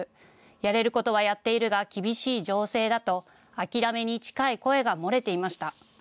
やれることはやっているが厳しい情勢だと諦めに近い声が漏れていました。